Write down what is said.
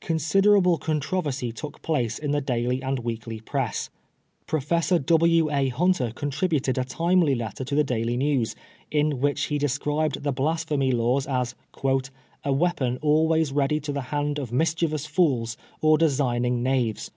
Considerable controversy took place in the daily and weekly press. Professor W. A. Hunter contributed a timely letter to the Daily News^ in which he described the Blasphemy Laws as " a weapon always ready to the hand of mischievous fools or designing knaves."